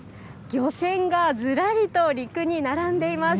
漁船がずらりと陸に並んでいます。